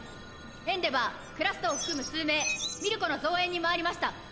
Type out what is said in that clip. エンデヴァークラストを含む数名ミルコの増援に回りました。